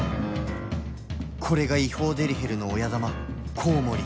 これが違法デリヘルの親玉コウモリ